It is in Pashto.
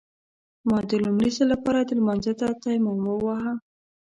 ما د لومړي ځل لپاره لمانځه ته تيمم وواهه.